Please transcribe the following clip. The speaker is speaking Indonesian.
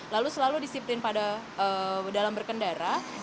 lalu selalu disiplin pada dalam berkendara